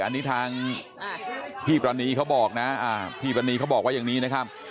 อันนี้ทางพี่ปรณีเขาบอกนะพี่ปรณีเขาบอกว่าอย่างนี้นะครับ